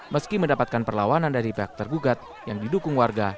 meski mendapatkan perlawanan dari pihak tergugat yang didukung warga